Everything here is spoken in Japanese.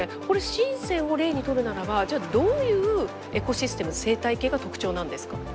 これ深を例にとるならどういうエコシステム生態系が特徴なんですか？